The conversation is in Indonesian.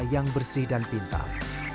yang bersih dan pintar